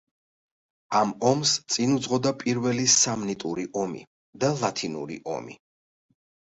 ამ ომს წინ უძღვოდა პირველი სამნიტური ომი და ლათინური ომი.